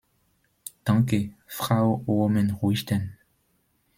Danke, Frau Oomen-Ruijten.